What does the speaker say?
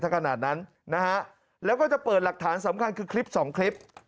ขนาดนั้นนะฮะแล้วก็จะเปิดหลักฐานสำคัญคือคลิปสองคลิป